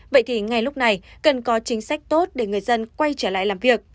vậy thì ngay lúc này cần có chính sách tốt để người dân quay trở lại làm việc